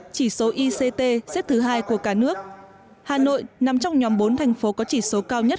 chỉ số ict xếp thứ hai của cả nước hà nội nằm trong nhóm bốn thành phố có chỉ số cao nhất